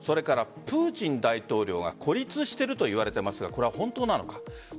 プーチン大統領が孤立しているといわれていますがこれは本当なのか。